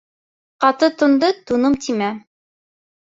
Ҡаты тунды туным тимә